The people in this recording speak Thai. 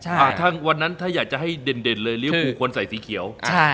อ่าทั้งวันนั้นถ้าอยากจะให้เด่นเลยเรียกครูควรใส่สีเขียว